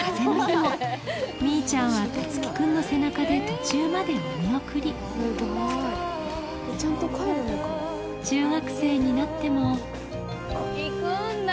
ミーちゃんは樹輝くんの背中で途中までお見送り中学生になっても行くんだ！